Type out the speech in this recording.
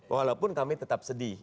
walaupun kami tetap sedih